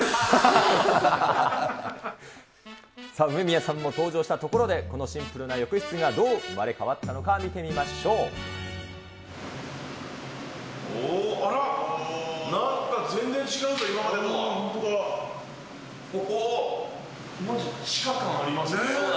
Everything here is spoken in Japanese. さあ、梅宮さんも登場したところで、このシンプルな浴室がどう生まれ変わったのか、見てみまおー、あら、なんか全然違う本当だ。